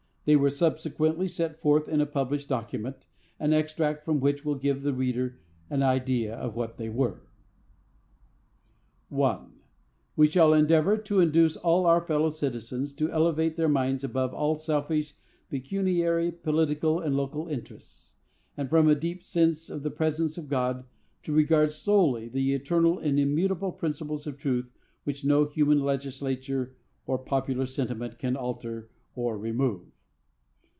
They were subsequently set forth in a published document, an extract from which will give the reader an idea of what they were: 1. We shall endeavor to induce all our fellow citizens to elevate their minds above all selfish, pecuniary, political, and local interests; and, from a deep sense of the presence of God, to regard solely the eternal and immutable principles of truth, which no human legislature or popular sentiment can alter or remove.